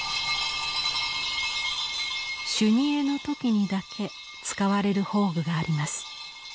修二会の時にだけ使われる法具があります。